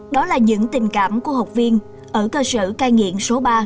đó là những tình cảm của học viên ở cơ sở cai nghiện số ba